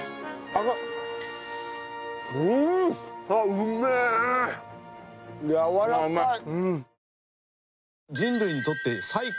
ああうまい。